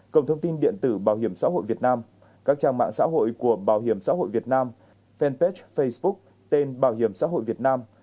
cổng thông tin điện tử bảo hiểm xã hội việt nam các trang mạng xã hội của bảo hiểm xã hội việt nam fanpage facebook tên bảo hiểm xã hội việt nam